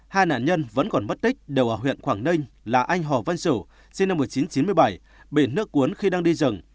hai nạn nhân vẫn còn mất tích đều ở huyện quảng ninh là anh hồ văn sửu sinh năm một nghìn chín trăm chín mươi bảy bị nước cuốn khi đang đi rừng